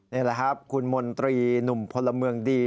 นี่แหละครับคุณมนตรีหนุ่มพลเมืองดี